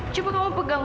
coba kamu pegang